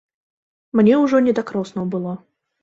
Мне ўжо не да кроснаў было.